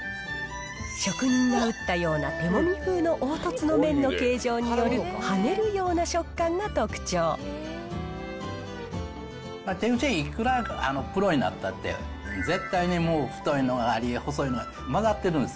職人が打ったような手もみ風の凹凸の形状による跳ねるような食感手打ちはいくらプロになったって、絶対に太いのがあり、細いのが混ざってるんです。